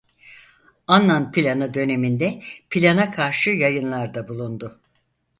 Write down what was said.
Annan Planı döneminde plana karşı yayınlarda bulundu.